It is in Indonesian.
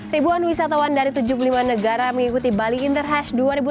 ribuan wisatawan dari tujuh puluh lima negara mengikuti bali interhash dua ribu enam belas